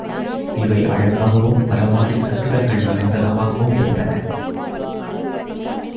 இவை அழகாகவும் பல மாடிக் கட்டிடங்கள் நிறைந்தனவாகவும் இருந்தன.